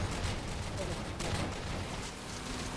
Ad akent-tt-yeɛṛeḍ?